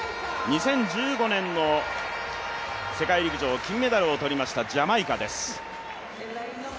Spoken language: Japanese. ２０１５年の世界陸上金メダルを取りましたジャマイカです。